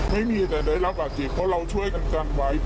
ไม่มีแต่ได้รับบาดเจ็บเพราะเราช่วยกันกันไว้